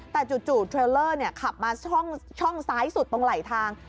แต่จู่เทรลเลอร์ขับมาช่องซ้ายสุดตรงไหลทาง